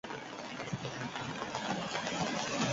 Langileei dagokienez, momentuz lauk eman dute positibo.